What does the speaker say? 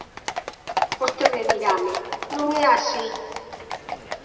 Vostede dirame: non é así.